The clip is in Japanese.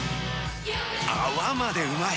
泡までうまい！